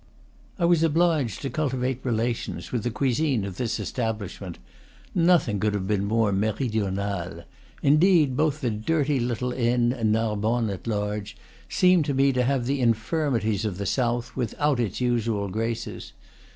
I was obliged to cultivate relations with the cuisine of this establishment. Nothing could have been more meridional; indeed, both the dirty little inn and Nar bonne at large seemed to me to have the infirmities of the south, without its usual graces.